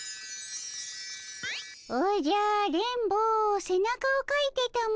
おじゃ電ボせなかをかいてたも。